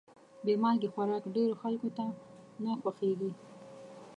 بې مالګې خوراک ډېرو خلکو ته نه خوښېږي.